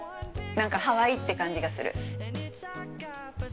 何かハワイって感じがする。